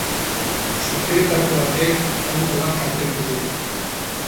Suteetako batek auto bat kaltetu du.